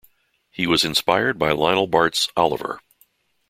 He was inspired by Lionel Bart's Oliver!